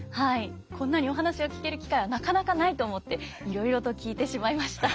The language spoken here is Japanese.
こんなにお話を聞ける機会はなかなかないと思っていろいろと聞いてしまいました。